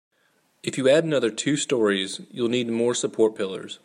If you add another two storeys, you'll need more support pillars.